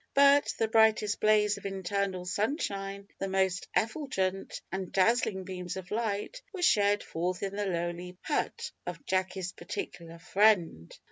But the brightest blaze of internal sunshine the most effulgent and dazzling beams of light were shed forth in the lowly hut of Jacky's particular friend.